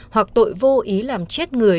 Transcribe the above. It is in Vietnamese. hoặc tội vô ý làm chết người